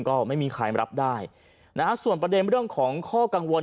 ก็ไม่มีใครรับได้นะฮะส่วนประเด็นเรื่องของข้อกังวล